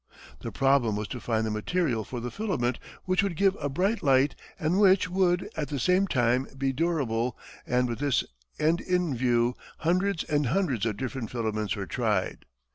The problem was to find a material for the filament which would give a bright light and which, would, at the same time, be durable, and with this end in view, hundreds and hundreds of different filaments were tried.